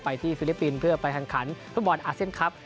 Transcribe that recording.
ที่ฟิลิปปินส์เพื่อไปแข่งขันฟุตบอลอาเซียนครับ